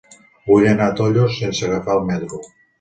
Vull anar a Tollos sense agafar el metro.